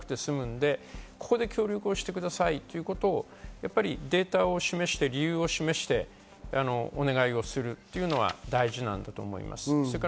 その期間も短くて済むのでここで協力してくださいということをデータを示して、理由を示してお願いをするていうのは大事だなと思います。